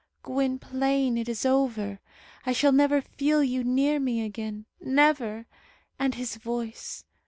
Gwynplaine, it is over. I shall never feel you near me again. Never! And his voice!